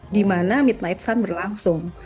dimana midnight sun berlangsung